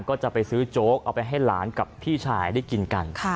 ก็จะไปซื้อโจ๊กเอาไปให้หลานกับพี่ชายได้กินกัน